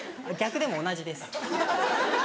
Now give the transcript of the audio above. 逆でも同じです。